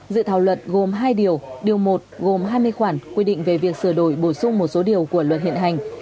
dự thảo luật gồm hai điều điều một gồm hai mươi khoản quy định về việc sửa đổi bổ sung một số điều của luật hiện hành